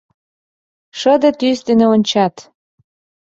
Шыде тӱс дене ончат.